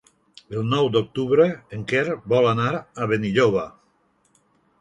El nou d'octubre en Quer vol anar a Benilloba.